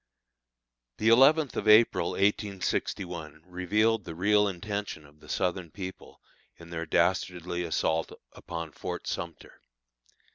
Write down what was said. The eleventh of April, 1861, revealed the real intention of the Southern people in their dastardly assault upon Fort Sumter.